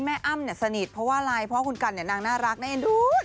อ้ำเนี่ยสนิทเพราะว่าอะไรเพราะคุณกันเนี่ยนางน่ารักน่าเอ็นดู